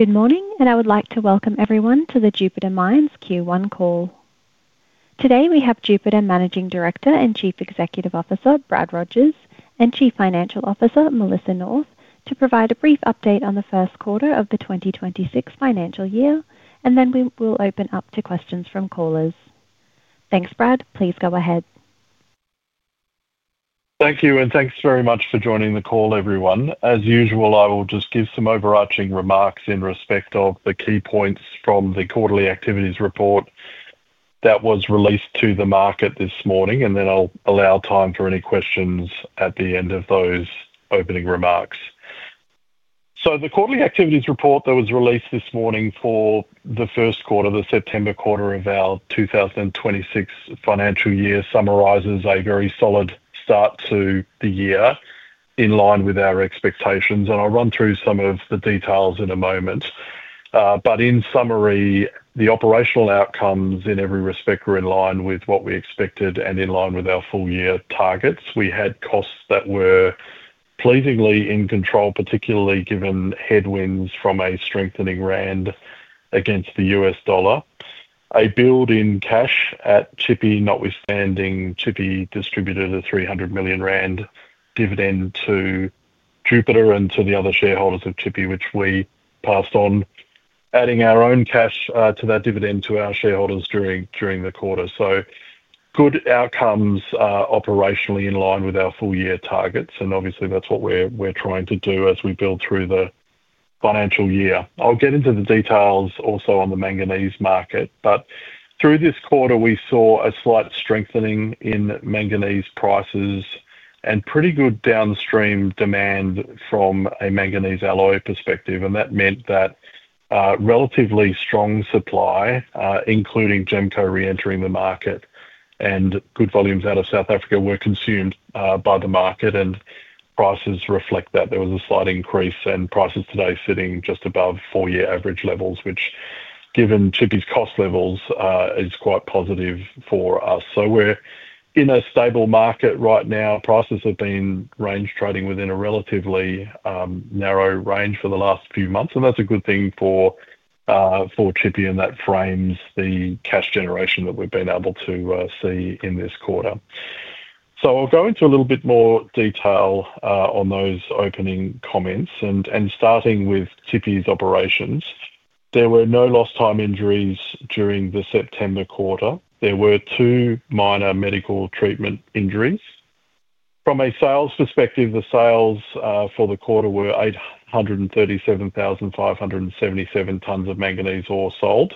Good morning, and I would like to welcome everyone to the Jupiter Mines Q1 call. Today we have Jupiter Managing Director and Chief Executive Officer Brad Rogers and Chief Financial Officer Melissa North to provide a brief update on the first quarter of the 2026 financial year, and then we will open up to questions from callers. Thanks, Brad. Please go ahead. Thank you, and thanks very much for joining the call, everyone. As usual, I will just give some overarching remarks in respect of the key points from the quarterly activities report that was released to the market this morning, and then I'll allow time for any questions at the end of those opening remarks. The quarterly activities report that was released this morning for the first quarter, the September quarter of our 2026 financial year, summarizes a very solid start to the year in line with our expectations, and I'll run through some of the details in a moment. In summary, the operational outcomes in every respect were in line with what we expected and in line with our full-year targets. We had costs that were pleasingly in control, particularly given headwinds from a strengthening Rand against the U.S. dollar, a build in cash at Tshipi, notwithstanding Tshipi distributed a 300 million rand dividend to Jupiter and to the other shareholders of Tshipi, which we passed on, adding our own cash to that dividend to our shareholders during the quarter. Good outcomes operationally in line with our full-year targets, and obviously that's what we're trying to do as we build through the financial year. I'll get into the details also on the manganese market, but through this quarter we saw a slight strengthening in manganese prices and pretty good downstream demand from a manganese alloy perspective, and that meant that relatively strong supply, including GEMCO re-entering the market and good volumes out of South Africa, were consumed by the market, and prices reflect that. There was a slight increase in prices today, sitting just above four-year average levels, which, given Tshipi's cost levels, is quite positive for us. We're in a stable market right now. Prices have been range trading within a relatively narrow range for the last few months, and that's a good thing for Tshipi, and that frames the cash generation that we've been able to see in this quarter. I'll go into a little bit more detail on those opening comments. Starting with Tshipi's operations, there were no lost-time injuries during the September quarter. There were two minor medical treatment injuries. From a sales perspective, the sales for the quarter were 837,577 tons of manganese ore sold.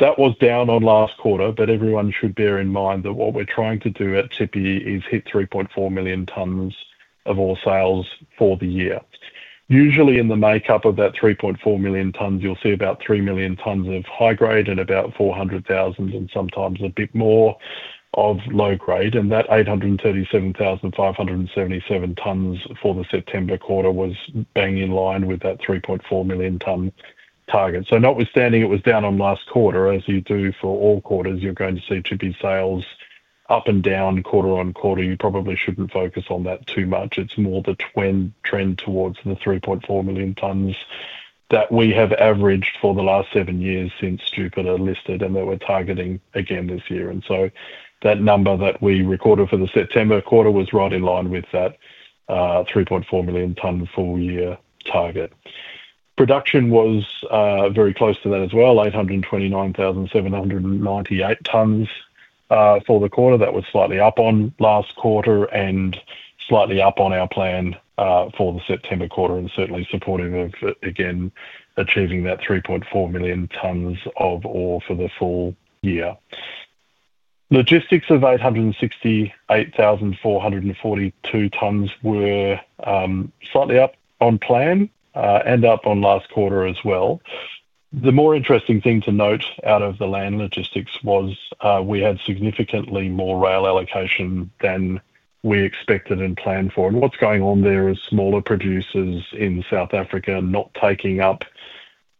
That was down on last quarter, but everyone should bear in mind that what we're trying to do at Tshipi is hit 3.4 million tons of ore sales for the year. Usually, in the makeup of that 3.4 million tons, you'll see about 3 million tons of high-grade and about 400,000 and sometimes a bit more of low-grade, and that 837,577 tons for the September quarter was bang in line with that 3.4 million ton target. Notwithstanding, it was down on last quarter. As you do for all quarters, you're going to see Tshipi sales up and down quarter on quarter. You probably shouldn't focus on that too much. It's more the trend towards the 3.4 million tons that we have averaged for the last seven years since Jupiter listed and that we're targeting again this year. That number that we recorded for the September quarter was right in line with that 3.4 million-ton full-year target. Production was very close to that as well, 829,798 tons for the quarter. That was slightly up on last quarter and slightly up on our plan for the September quarter, and certainly supportive of, again, achieving that 3.4 million tons of ore for the full year. Logistics of 868,442 tons were slightly up on plan and up on last quarter as well. The more interesting thing to note out of the land logistics was we had significantly more rail allocation than we expected and planned for. What's going on there is smaller producers in South Africa not taking up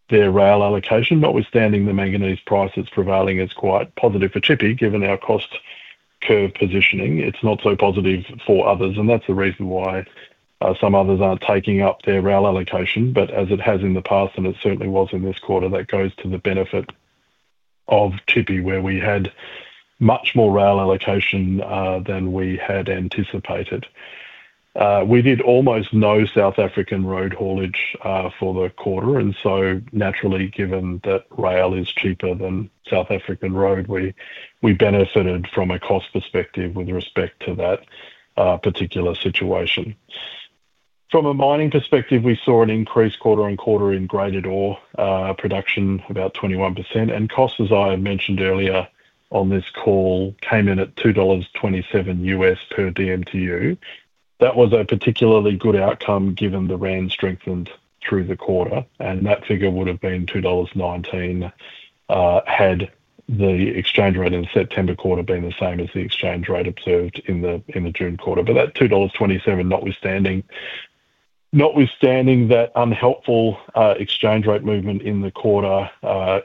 their rail allocation. Notwithstanding, the manganese price that's prevailing is quite positive for Tshipi, given our cost curve positioning. It's not so positive for others, and that's the reason why some others aren't taking up their rail allocation. As it has in the past, and it certainly was in this quarter, that goes to the benefit of Tshipi, where we had much more rail allocation than we had anticipated. We did almost no South African road haulage for the quarter, and naturally, given that rail is cheaper than South African road, we benefited from a cost perspective with respect to that particular situation. From a mining perspective, we saw an increase quarter on quarter in graded ore production, about 21%, and costs, as I mentioned earlier on this call, came in at $2.27 per dmtu. That was a particularly good outcome given the Rand strengthened through the quarter, and that figure would have been $2.19 had the exchange rate in the September quarter been the same as the exchange rate observed in the June quarter. That $2.27, notwithstanding. That unhelpful exchange rate movement in the quarter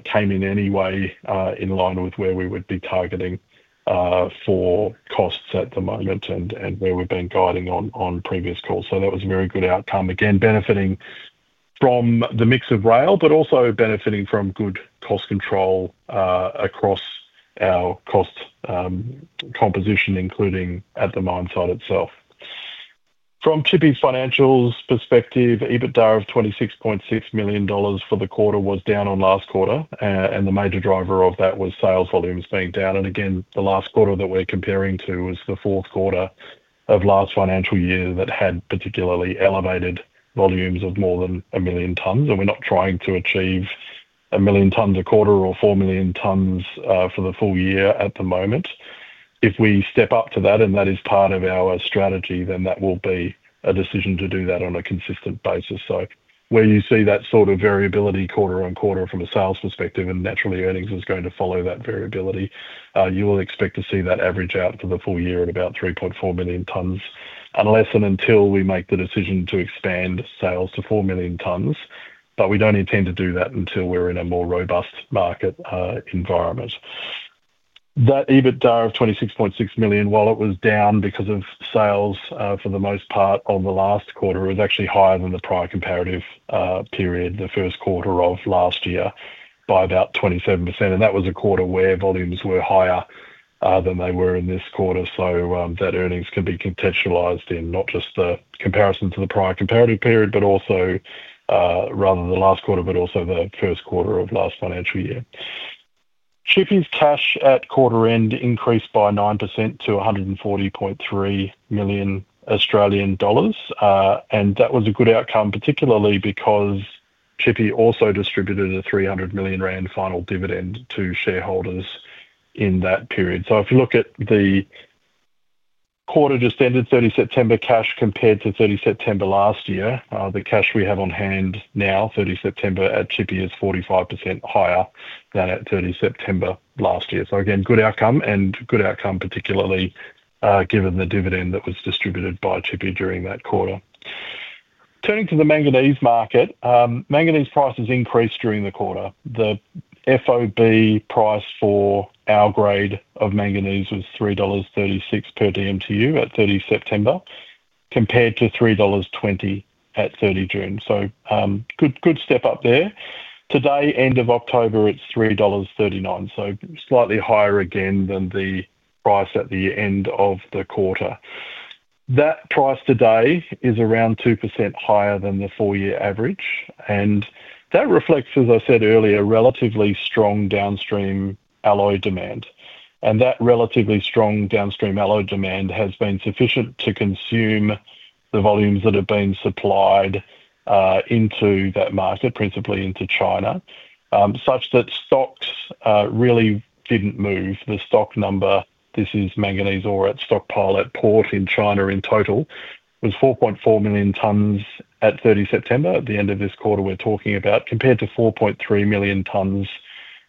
came in anyway in line with where we would be targeting for costs at the moment and where we've been guiding on previous calls. That was a very good outcome, again, benefiting from the mix of rail, but also benefiting from good cost control across our cost composition, including at the mine site itself. From Tshipi's financials perspective, EBITDA of 26.6 million dollars for the quarter was down on last quarter, and the major driver of that was sales volumes being down. The last quarter that we're comparing to was the fourth quarter of last financial year that had particularly elevated volumes of more than a million tons. We're not trying to achieve a million tons a quarter or 4 million tons for the full year at the moment. If we step up to that, and that is part of our strategy, then that will be a decision to do that on a consistent basis. Where you see that sort of variability quarter on quarter from a sales perspective, and naturally, earnings is going to follow that variability, you will expect to see that average out for the full year at about 3.4 million tons, unless and until we make the decision to expand sales to 4 million tons. We don't intend to do that until we're in a more robust market environment. That EBITDA of 26.6 million, while it was down because of sales for the most part on the last quarter, was actually higher than the prior comparative period, the first quarter of last year, by about 27%. That was a quarter where volumes were higher than they were in this quarter. That earnings can be contextualized in not just the comparison to the prior comparative period, but also rather than the last quarter, but also the first quarter of last financial year. Tshipi's cash at quarter-end increased by 9% to 140.3 million Australian dollars, and that was a good outcome, particularly because Tshipi also distributed a 300 million Rand final dividend to shareholders in that period. If you look at the quarter just ended, 30 September cash compared to 30 September last year, the cash we have on hand now, 30 September at Tshipi, is 45% higher than at 30 September last year. Again, good outcome and good outcome, particularly given the dividend that was distributed by Tshipi during that quarter. Turning to the manganese market, manganese prices increased during the quarter. The FOB price for our grade of manganese was $3.36 per dmtu at 30 September. Compared to $3.20 at 30 June. Good step up there. Today, end of October, it's $3.39, so slightly higher again than the price at the end of the quarter. That price today is around 2% higher than the full-year average, and that reflects, as I said earlier, relatively strong downstream alloy demand. That relatively strong downstream alloy demand has been sufficient to consume the volumes that have been supplied into that market, principally into China, such that stocks really didn't move. The stock number, this is manganese ore at Stockpilot Port in China in total, was 4.4 million tons at 30 September, at the end of this quarter we're talking about, compared to 4.3 million tons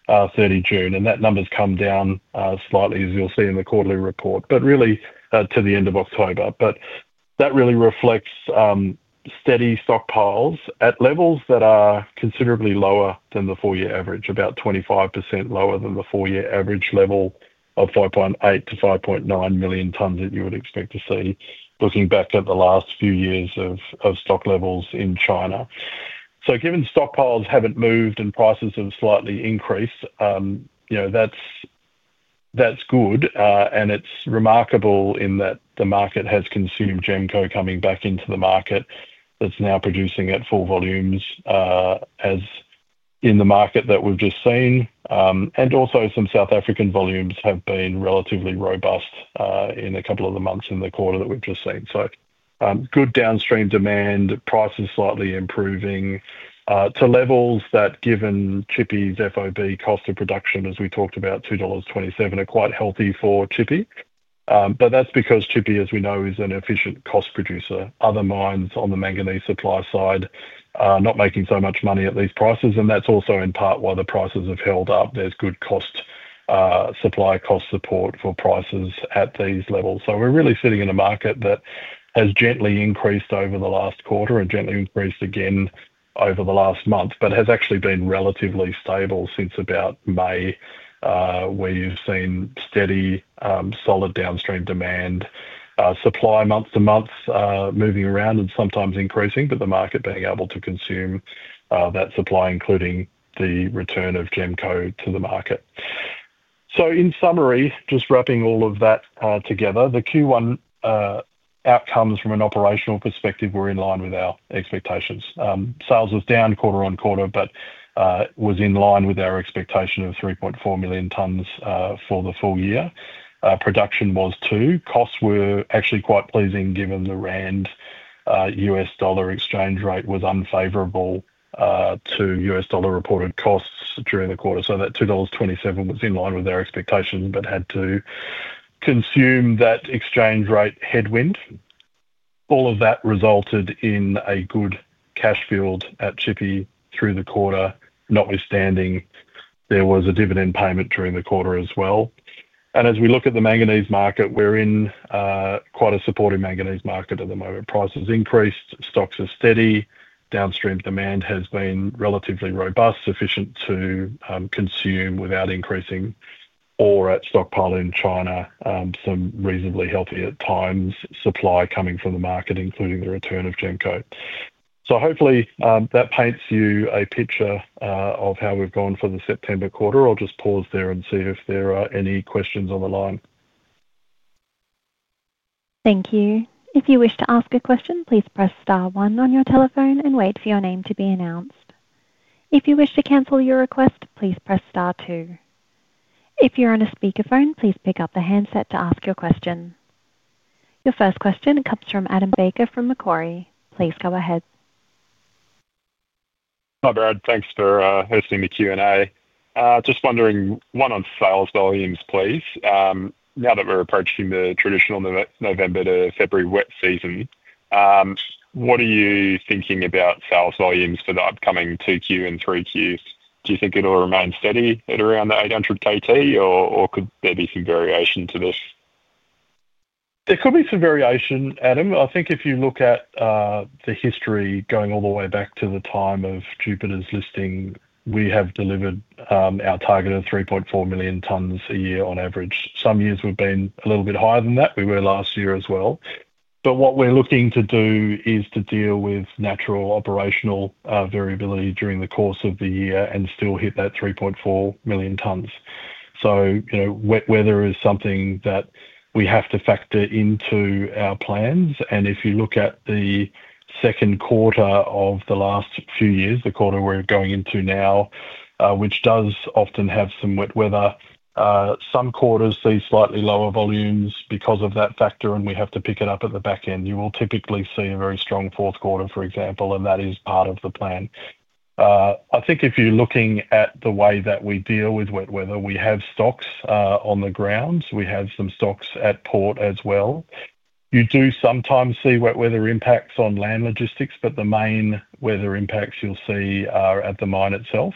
at 30 June. That number's come down slightly, as you'll see in the quarterly report, but really to the end of October. That really reflects steady stockpiles at levels that are considerably lower than the full-year average, about 25% lower than the full-year average level of 5.8 million tons-5.9 million tons that you would expect to see looking back at the last few years of stock levels in China. Given stockpiles haven't moved and prices have slightly increased, that's good, and it's remarkable in that the market has consumed GEMCO coming back into the market that's now producing at full volumes, as in the market that we've just seen, and also some South African volumes have been relatively robust in a couple of the months in the quarter that we've just seen. Good downstream demand, prices slightly improving to levels that, given Tshipi's FOB cost of production, as we talked about, $2.27, are quite healthy for Tshipi. That's because Tshipi, as we know, is an efficient cost producer. Other mines on the manganese supply side are not making so much money at these prices, and that's also in part why the prices have held up. There's good supply cost support for prices at these levels. We're really sitting in a market that has gently increased over the last quarter and gently increased again over the last month, but has actually been relatively stable since about May. We've seen steady, solid downstream demand. Supply month to month moving around and sometimes increasing, but the market being able to consume that supply, including the return of GEMCO to the market. In summary, just wrapping all of that together, the Q1 outcomes from an operational perspective were in line with our expectations. Sales was down quarter on quarter, but was in line with our expectation of 3.4 million tons for the full year. Production was too. Costs were actually quite pleasing given the Rand/U.S. dollar exchange rate was unfavorable to U.S. dollar reported costs during the quarter. That $2.27 was in line with our expectations, but had to consume that exchange rate headwind. All of that resulted in a good cash field at Tshipi through the quarter, notwithstanding there was a dividend payment during the quarter as well. As we look at the manganese market, we're in quite a supportive manganese market at the moment. Prices increased, stocks are steady, downstream demand has been relatively robust, sufficient to consume without increasing or at stockpile in China, some reasonably healthy at times supply coming from the market, including the return of GEMCO. Hopefully that paints you a picture of how we've gone for the September quarter. I'll just pause there and see if there are any questions on the line. Thank you. If you wish to ask a question, please press star one on your telephone and wait for your name to be announced. If you wish to cancel your request, please press star two. If you're on a speakerphone, please pick up the handset to ask your question. Your first question comes from Adam Baker from Macquarie. Please go ahead. Hi, Brad. Thanks for hosting the Q&A. Just wondering, one on sales volumes, please. Now that we're approaching the traditional November to February wet season, what are you thinking about sales volumes for the upcoming two Q and three Qs? Do you think it'll remain steady at around the 800 kt, or could there be some variation to this? There could be some variation, Adam. I think if you look at the history going all the way back to the time of Jupiter's listing, we have delivered our target of 3.4 million tons a year on average. Some years we've been a little bit higher than that. We were last year as well. What we're looking to do is to deal with natural operational variability during the course of the year and still hit that 3.4 million tons. Wet weather is something that we have to factor into our plans. If you look at the second quarter of the last few years, the quarter we're going into now, which does often have some wet weather, some quarters see slightly lower volumes because of that factor, and we have to pick it up at the back end. You will typically see a very strong fourth quarter, for example, and that is part of the plan. I think if you're looking at the way that we deal with wet weather, we have stocks on the ground. We have some stocks at port as well. You do sometimes see wet weather impacts on land logistics, but the main weather impacts you'll see are at the mine itself.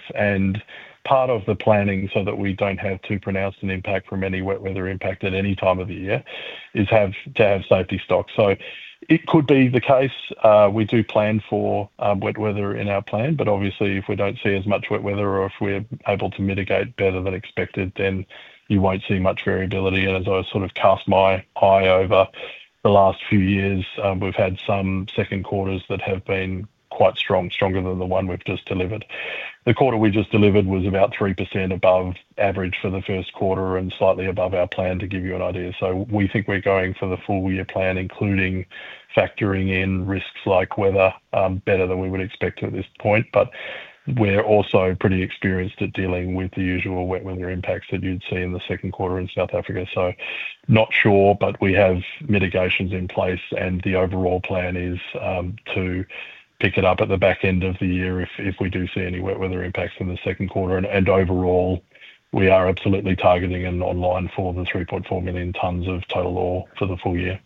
Part of the planning, so that we don't have too pronounced an impact from any wet weather impact at any time of the year, is to have safety stocks. It could be the case. We do plan for wet weather in our plan, but obviously, if we don't see as much wet weather or if we're able to mitigate better than expected, then you won't see much variability. As I sort of cast my eye over the last few years, we've had some second quarters that have been quite strong, stronger than the one we've just delivered. The quarter we just delivered was about 3% above average for the first quarter and slightly above our plan, to give you an idea. We think we're going for the full-year plan, including factoring in risks like weather better than we would expect at this point. We're also pretty experienced at dealing with the usual wet weather impacts that you'd see in the second quarter in South Africa. Not sure, but we have mitigations in place, and the overall plan is to pick it up at the back end of the year if we do see any wet weather impacts in the second quarter. Overall, we are absolutely targeting and on line for the 3.4 million tons of total ore for the full year.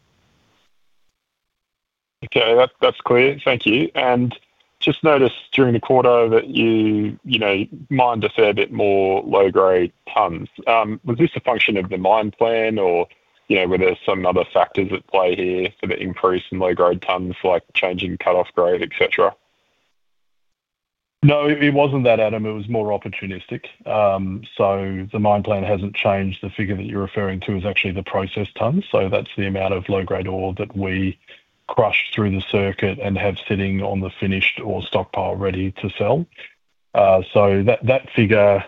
Okay, that's clear. Thank you. I just noticed during the quarter that you mined a fair bit more low-grade tons. Was this a function of the mine plan, or were there some other factors at play here for the increase in low-grade tons, like changing cut-off grade, etc.? No, it wasn't that, Adam. It was more opportunistic. The mine plan hasn't changed. The figure that you're referring to is actually the processed tons. That's the amount of low-grade ore that we crush through the circuit and have sitting on the finished ore stockpile ready to sell. That figure,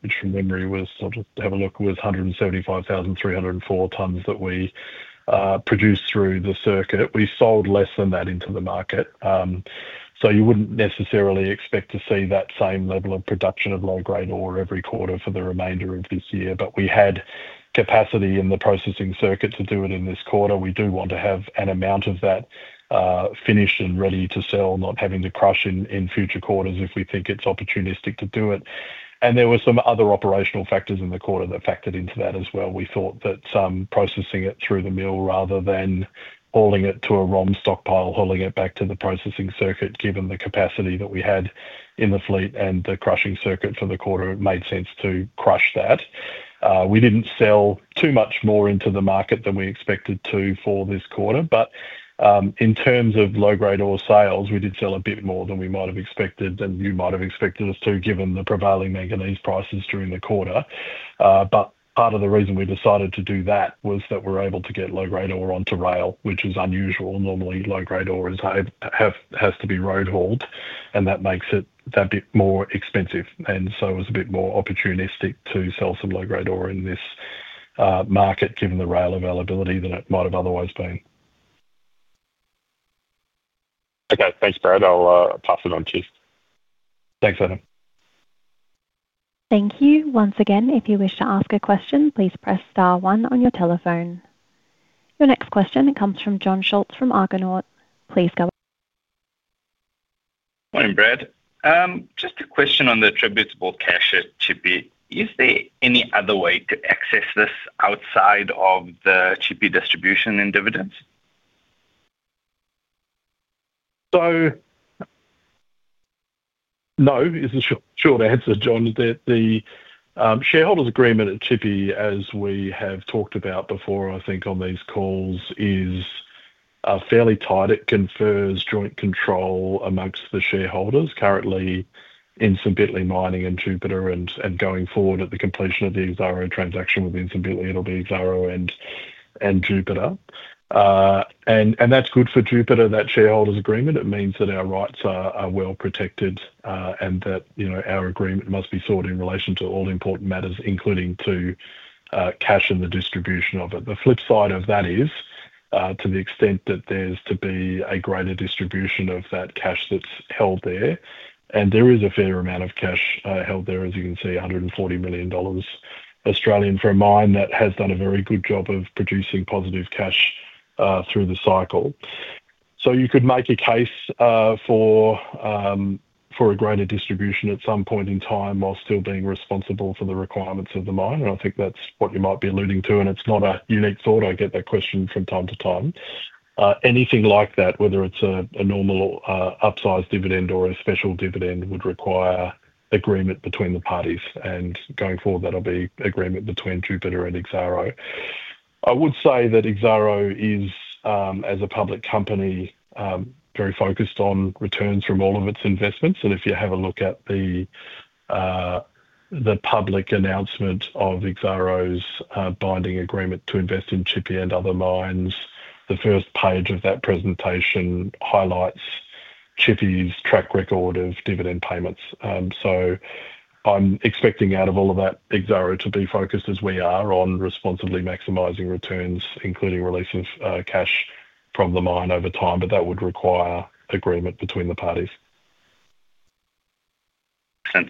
which from memory was, I'll just have a look, was 175,304 tons that we produced through the circuit. We sold less than that into the market. You wouldn't necessarily expect to see that same level of production of low-grade ore every quarter for the remainder of this year. We had capacity in the processing circuit to do it in this quarter. We do want to have an amount of that finished and ready to sell, not having to crush in future quarters if we think it's opportunistic to do it. There were some other operational factors in the quarter that factored into that as well. We thought that processing it through the mill rather than hauling it to a ROM stockpile, hauling it back to the processing circuit, given the capacity that we had in the fleet and the crushing circuit for the quarter, it made sense to crush that. We didn't sell too much more into the market than we expected to for this quarter. In terms of low-grade ore sales, we did sell a bit more than we might have expected and you might have expected us to, given the prevailing manganese prices during the quarter. Part of the reason we decided to do that was that we're able to get low-grade ore onto rail, which is unusual. Normally, low-grade ore has to be road hauled, and that makes it a bit more expensive. It was a bit more opportunistic to sell some low-grade ore in this market, given the rail availability, than it might have otherwise been. Okay, thanks, Brad. I'll pass it on to you. Thanks, Adam. Thank you. Once again, if you wish to ask a question, please press star one on your telephone. Your next question comes from Jon Scholtz from Argonaut. Please go ahead. Morning, Brad. Just a question on the attributable cash at Tshipi. Is there any other way to access this outside of the Tshipi distribution and dividends? No, it's a short answer, Jon. The shareholders' agreement at Tshipi, as we have talked about before, I think on these calls, is fairly tight. It confers joint control amongst the shareholders, currently in Ntsimbintle Mining and Jupiter, and going forward at the completion of the Exxaro transaction within Ntsimbintle, it'll be Exxaro and Jupiter. That's good for Jupiter, that shareholders' agreement. It means that our rights are well protected and that our agreement must be sought in relation to all important matters, including to cash and the distribution of it. The flip side of that is, to the extent that there's to be a greater distribution of that cash that's held there, and there is a fair amount of cash held there, as you can see, 140 million Australian dollars for a mine that has done a very good job of producing positive cash through the cycle. You could make a case for a greater distribution at some point in time while still being responsible for the requirements of the mine. I think that's what you might be alluding to, and it's not a unique thought. I get that question from time to time. Anything like that, whether it's a normal upsize dividend or a special dividend, would require agreement between the parties. Going forward, that'll be agreement between Jupiter and Exxaro. I would say that Exxaro is, as a public company, very focused on returns from all of its investments. If you have a look at the public announcement of Exxaro's binding agreement to invest in Tshipi and other mines, the first page of that presentation highlights Tshipi's track record of dividend payments. I'm expecting out of all of that Exxaro to be focused, as we are, on responsibly maximizing returns, including release of cash from the mine over time. That would require agreement between the parties.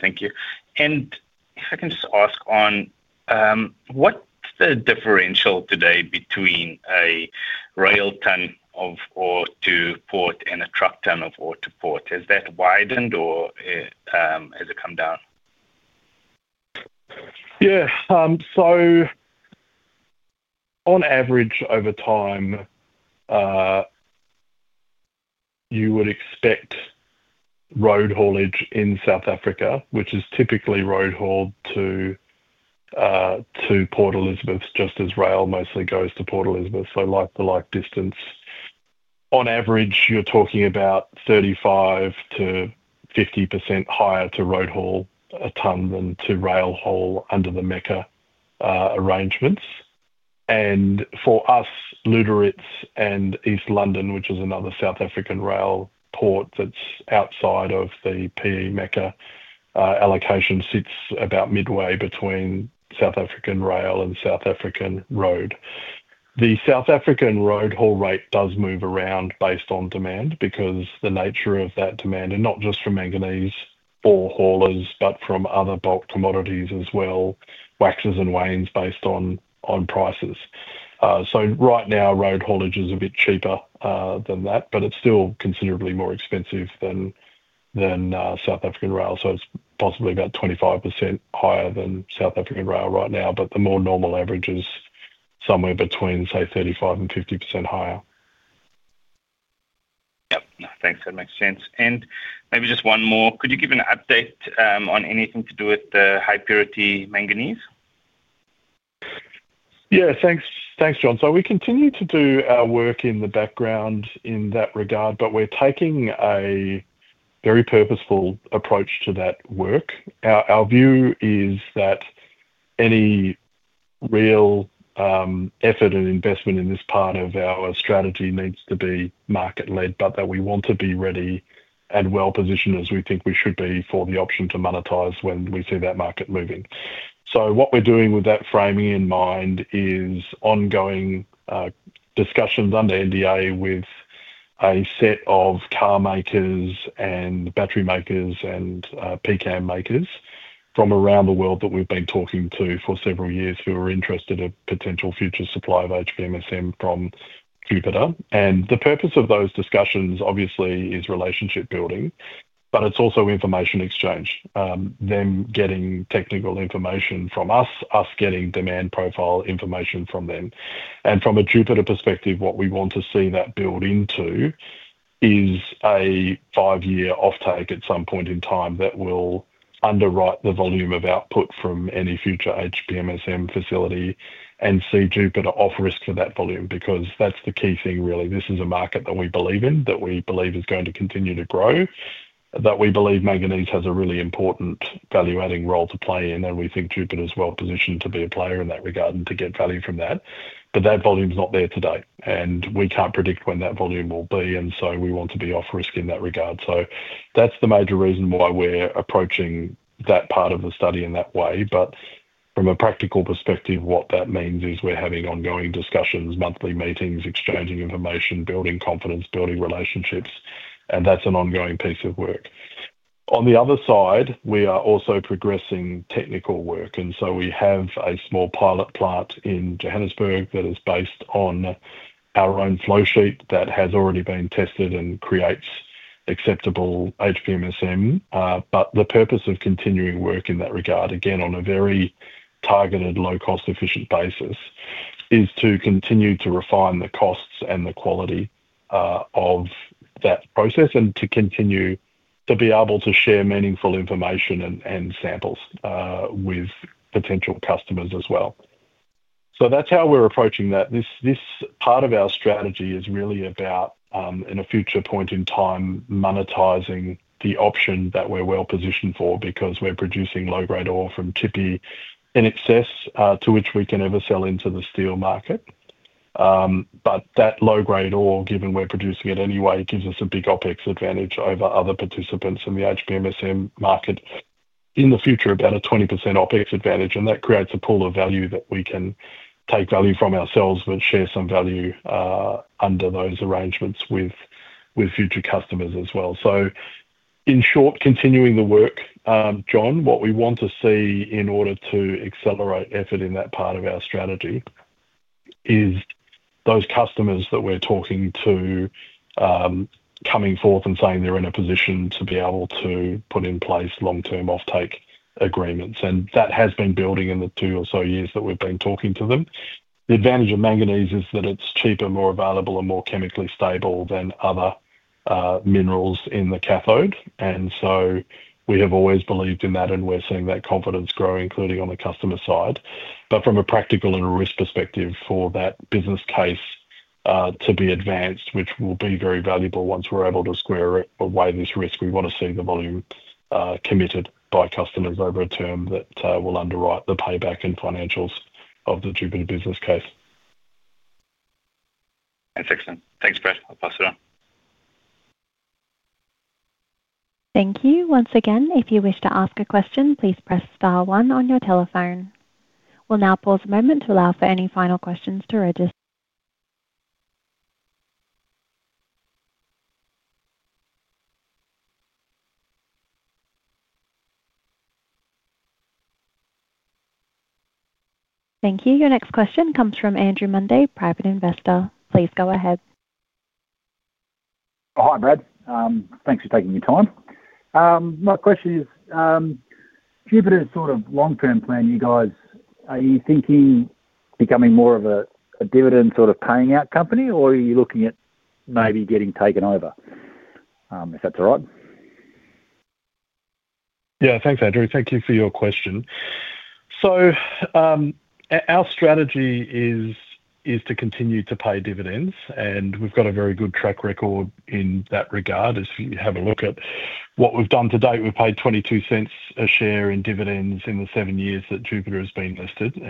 Thank you. If I can just ask, what's the differential today between a rail ton of ore to port and a truck ton of ore to port? Has that widened or has it come down? On average, over time, you would expect road haulage in South Africa, which is typically road hauled to Port Elizabeth, just as rail mostly goes to Port Elizabeth. Like-for-like distance, on average, you're talking about 35%-50% higher to road haul a ton than to rail haul under the MECA arrangements. For us, Lüderitz and East London, which is another South African rail port that's outside of the PE MECA allocation, sits about midway between South African rail and South African road. The South African road haul rate does move around based on demand because the nature of that demand, and not just from manganese ore haulers, but from other bulk commodities as well, waxes and wanes based on prices. Right now, road haulage is a bit cheaper than that, but it's still considerably more expensive than South African rail. It's possibly about 25% higher than South African rail right now, but the more normal average is somewhere between, say, 35% and 50% higher. Yep. Thanks. That makes sense. Maybe just one more. Could you give an update on anything to do with the high purity manganese? Yeah. Thanks, Jon. We continue to do our work in the background in that regard, but we're taking a very purposeful approach to that work. Our view is that any real effort and investment in this part of our strategy needs to be market-led, but we want to be ready and well-positioned as we think we should be for the option to monetize when we see that market moving. What we're doing with that framing in mind is ongoing discussions under NDA with a set of car makers and battery makers and PCAM makers from around the world that we've been talking to for several years who are interested in potential future supply of high purity manganese sulfate monohydrate from Jupiter. The purpose of those discussions, obviously, is relationship building, but it's also information exchange, them getting technical information from us, us getting demand profile information from them. From a Jupiter perspective, what we want to see that build into is a five-year offtake at some point in time that will underwrite the volume of output from any future high purity manganese sulfate monohydrate facility and see Jupiter off-risk for that volume. That's the key thing, really. This is a market that we believe in, that we believe is going to continue to grow, that we believe manganese has a really important value-adding role to play in, and we think Jupiter is well-positioned to be a player in that regard and to get value from that. That volume's not there today, and we can't predict when that volume will be. We want to be off-risk in that regard. That's the major reason why we're approaching that part of the study in that way. From a practical perspective, what that means is we're having ongoing discussions, monthly meetings, exchanging information, building confidence, building relationships, and that's an ongoing piece of work. On the other side, we are also progressing technical work. We have a small pilot plant in Johannesburg that is based on our own flowsheet that has already been tested and creates acceptable high purity manganese sulfate monohydrate. The purpose of continuing work in that regard, again, on a very targeted, low-cost, efficient basis, is to continue to refine the costs and the quality of that process and to continue to be able to share meaningful information and samples with potential customers as well. That's how we're approaching that. This part of our strategy is really about, in a future point in time, monetizing the option that we're well-positioned for because we're producing low-grade ore from Tshipi in excess to which we can ever sell into the steel market. That low-grade ore, given we're producing it anyway, gives us a big OpEx advantage over other participants in the HPMSM market. In the future, about a 20% OpEx advantage. That creates a pool of value that we can take value from ourselves, but share some value under those arrangements with future customers as well. In short, continuing the work. Jon, what we want to see in order to accelerate effort in that part of our strategy is those customers that we're talking to coming forth and saying they're in a position to be able to put in place long-term offtake agreements. That has been building in the two or so years that we've been talking to them. The advantage of manganese is that it's cheaper, more available, and more chemically stable than other minerals in the cathode. We have always believed in that, and we're seeing that confidence grow, including on the customer side. From a practical and a risk perspective, for that business case to be advanced, which will be very valuable once we're able to square away this risk, we want to see the volume committed by customers over a term that will underwrite the payback and financials of the Jupiter business case. That's excellent. Thanks, Brad. I'll pass it on. Thank you. Once again, if you wish to ask a question, please press star one on your telephone. We'll now pause a moment to allow for any final questions to register. Thank you. Your next question comes from Andrew Munday, private investor. Please go ahead. Hi, Brad. Thanks for taking your time. My question is, Jupiter's sort of long-term plan, you guys, are you thinking becoming more of a dividend sort of paying out company, or are you looking at maybe getting taken over. If that's all right? Yeah. Thanks, Andrew. Thank you for your question. Our strategy is to continue to pay dividends, and we've got a very good track record in that regard. If you have a look at what we've done to date, we've paid 0.22 a share in dividends in the seven years that Jupiter has been listed.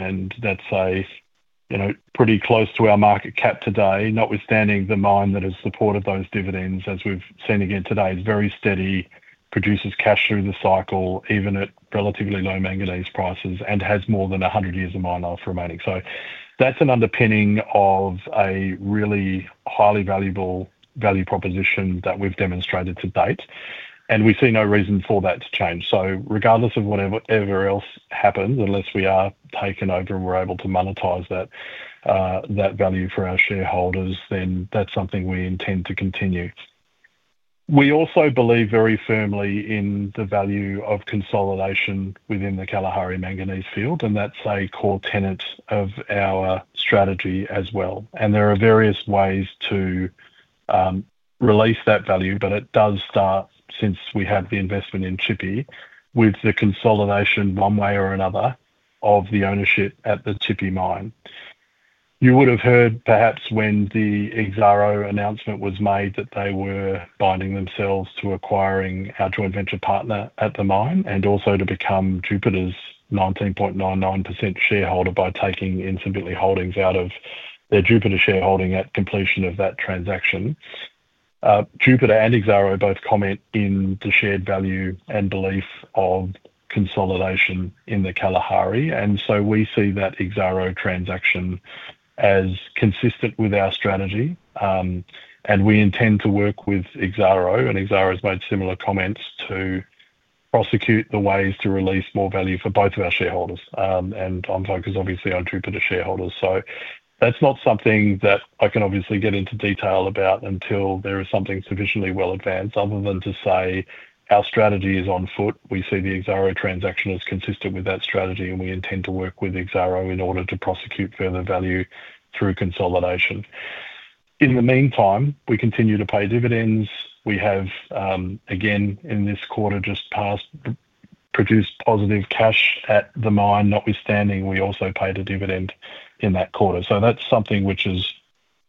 That's pretty close to our market cap today, notwithstanding the mine that has supported those dividends, as we've seen again today. It's very steady, produces cash through the cycle, even at relatively low manganese prices, and has more than 100 years of mine life remaining. That's an underpinning of a really highly valuable value proposition that we've demonstrated to date. We see no reason for that to change. Regardless of whatever else happens, unless we are taken over and we're able to monetize that value for our shareholders, then that's something we intend to continue. We also believe very firmly in the value of consolidation within the Kalahari manganese field, and that's a core tenet of our strategy as well. There are various ways to release that value, but it does start, since we have the investment in Tshipi, with the consolidation one way or another of the ownership at the Tshipi mine. You would have heard, perhaps, when the Exxaro announcement was made that they were binding themselves to acquiring our joint venture partner at the mine and also to become Jupiter's 19.99% shareholder by taking Ntsimbintle Holdings out of their Jupiter shareholding at completion of that transaction. Jupiter and Exxaro both comment in the shared value and belief of consolidation in the Kalahari. We see that Exxaro transaction as consistent with our strategy. We intend to work with Exxaro, and Exxaro has made similar comments to prosecute the ways to release more value for both of our shareholders. I'm focused, obviously, on Jupiter shareholders. That's not something that I can obviously get into detail about until there is something sufficiently well advanced, other than to say our strategy is on foot. We see the Exxaro transaction as consistent with that strategy, and we intend to work with Exxaro in order to prosecute further value through consolidation. In the meantime, we continue to pay dividends. We have, again, in this quarter just past, produced positive cash at the mine, notwithstanding we also paid a dividend in that quarter. That's something which is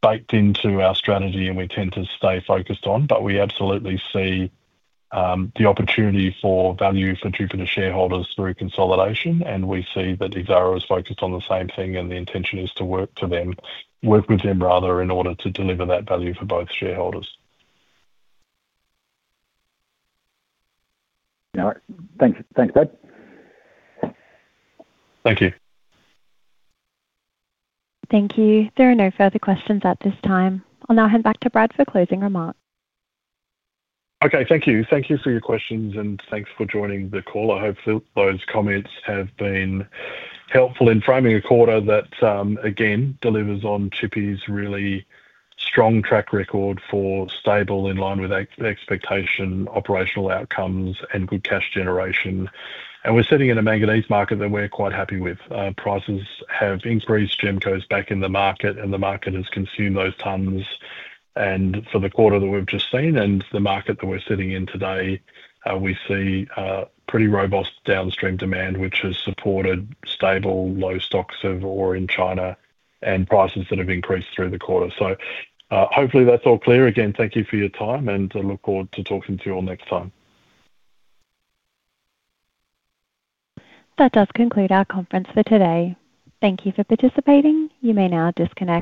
baked into our strategy, and we tend to stay focused on. We absolutely see the opportunity for value for Jupiter shareholders through consolidation. We see that Exxaro is focused on the same thing, and the intention is to work with them in order to deliver that value for both shareholders. All right. Thanks, Brad. Thank you. Thank you. There are no further questions at this time. I'll now hand back to Brad for closing remarks. Okay. Thank you. Thank you for your questions, and thanks for joining the call. I hope those comments have been helpful in framing a quarter that, again, delivers on Tshipi's really strong track record for stable, in line with expectation, operational outcomes, and good cash generation. We're sitting in a manganese market that we're quite happy with. Prices have increased, GEMCO's back in the market, and the market has consumed those tons for the quarter that we've just seen. The market that we're sitting in today, we see pretty robust downstream demand, which has supported stable, low stocks of ore in China and prices that have increased through the quarter. Hopefully, that's all clear. Again, thank you for your time, and I look forward to talking to you all next time. That does conclude our conference for today. Thank you for participating. You may now disconnect.